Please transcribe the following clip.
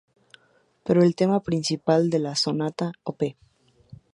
Pero el tema principal de la "sonata op.